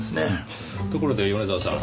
ところで米沢さん